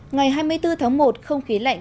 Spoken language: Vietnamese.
ngày hai mươi bốn tháng một không khí lạnh